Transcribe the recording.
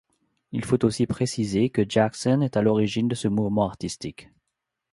Il faut aussi préciser que Jackson est à l'origine de ce mouvement artistique.